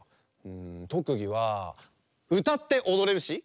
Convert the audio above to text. とくぎはうたっておどれるし。